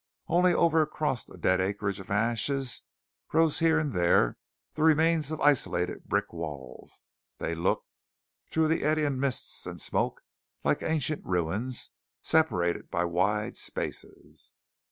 Only over across a dead acreage of ashes rose here and there the remains of isolated brick walls. They looked, through the eddying mists and smoke, like ancient ruins, separated by wide spaces.